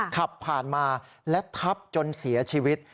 ขับผ่านมาและทับจนเสียชีวิต